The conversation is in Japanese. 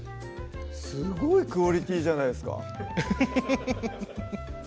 すごいクオリティーじゃないですかフフフフッ